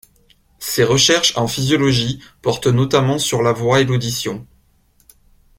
Ses recherches en physiologie portent notamment sur la voix et l'audition.